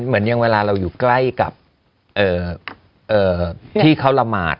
เหมือนอย่างเวลาเราอยู่ใกล้กับที่เขาละหมาด